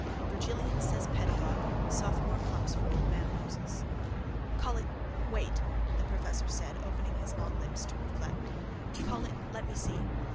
VIRGILIAN, SAYS PEDAGOGUE. SOPHOMORE PLUMPS FOR OLD MAN MOSES. —Call it, wait, the professor said, opening his long lips wide to reflect. Call it, let me see.